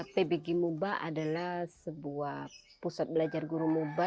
pbg muba adalah sebuah pusat belajar guru muba